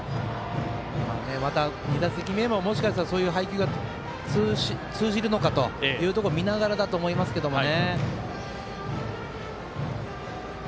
まだ２打席目もそういう配球が通じるのかというところを見ながらだと思いますけどね。